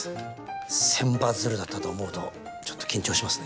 千羽鶴だったと思うとちょっと緊張しますね。